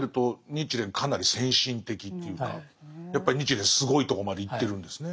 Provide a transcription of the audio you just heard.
そう考えるとやっぱり日蓮すごいとこまでいってるんですね。